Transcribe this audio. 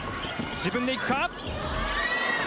自分で行くか？